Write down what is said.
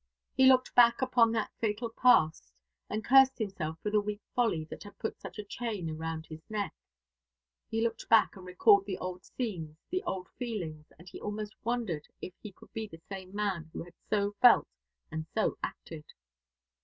He looked back upon that fatal past, and cursed himself for the weak folly that had put such a chain round his neck. He looked back, and recalled the old scenes, the old feelings, and he almost wondered if he could be the same man who had so felt and so acted.